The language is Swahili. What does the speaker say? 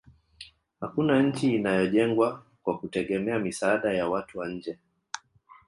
hakuna nchi inayojengwa kwa kutegemea misaada ya watu wa nje